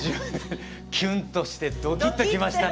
キュンとしてドキッときましたね。